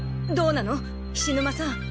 どうなの菱沼さん？